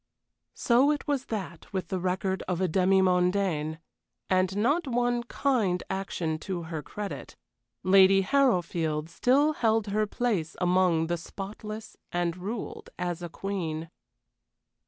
So it was that with the record of a demimondaine and not one kind action to her credit Lady Harrowfield still held her place among the spotless, and ruled as a queen.